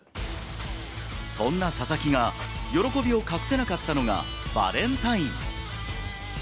そんな佐々木が、喜びを隠せなかったのが、バレンタイン。